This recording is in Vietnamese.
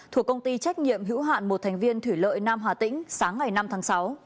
thuộc công ty trách nhiệm hữu hạn một thành viên thủy lợi nam hà tĩnh sáng ngày năm tháng sáu